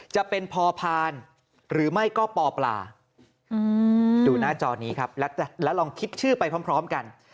จะเป็นพอพานหรือไม่ก็ปปลาดูหน้าจอนี้ครับแล้วลองคิดชื่อไปพร้อมกัน